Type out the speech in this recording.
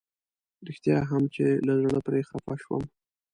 رښتيا هم چې له زړه پرې خفه شوم.